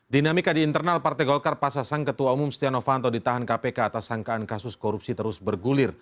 dinamika di internal partai golkar pasang ketua umum setia novanto ditahan kpk atas sangkaan kasus korupsi terus bergulir